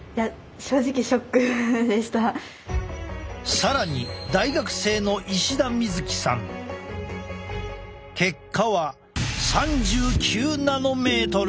更に大学生の結果は３９ナノメートル！